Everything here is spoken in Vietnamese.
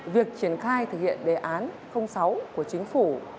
việc triển khai thực hiện đề án sáu của chính phủ